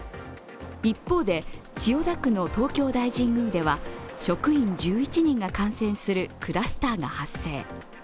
一方で千代田区の東京大神宮では職員１１人が感染するクラスターが発生。